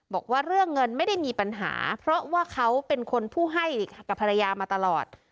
บอกว่าเรื่องเงินไม่ได้มีปัญหาเพราะว่าเขาเป็นคนผู้ให้กับภรรยามาตลอด